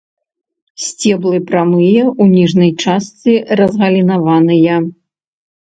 Сцеблы прамыя, у ніжняй частцы разгалінаваныя.